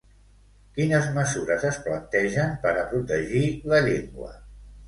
Quines mesures es plantegen per a protegir la llengua?